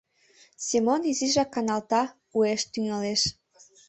Семон изишак каналта, уэш тӱҥалеш: